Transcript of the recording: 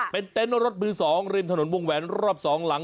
เป็นเต็นต์รถมือ๒ริมถนนวงแหวนรอบ๒หลัง